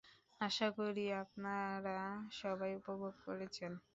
আশা করি আপনারা সবাই উপভোগ করেছেন।